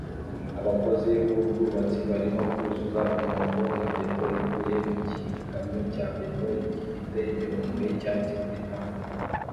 Abakozi b'ubwubatsi barimo kuzuza umwobo na beto ivuye mu gikamyo cya beto gifite imirongo y'icyatsi kuri tank